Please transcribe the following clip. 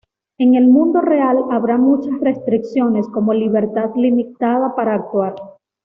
En el mundo real habrá muchas restricciones como libertad limitada para actuar.